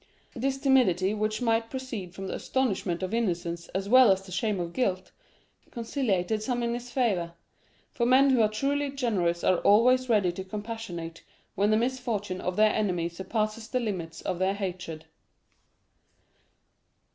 This timidity, which might proceed from the astonishment of innocence as well as the shame of guilt, conciliated some in his favor; for men who are truly generous are always ready to compassionate when the misfortune of their enemy surpasses the limits of their hatred.